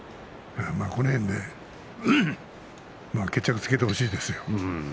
この辺で決着つけてほしいですよね。